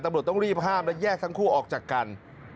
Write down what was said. ตำรวจต้องรีบห้ามและแยกทั้งคู่ออกจากกัน